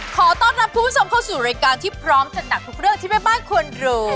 ขอต้อนรับคุณผู้ชมเข้าสู่รายการที่พร้อมจัดหนักทุกเรื่องที่แม่บ้านควรรู้